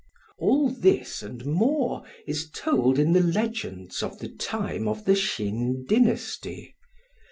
All this and more is told in the legends of the time of the Shin dynasty.